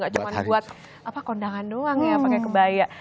gak cuma buat kondangan doang ya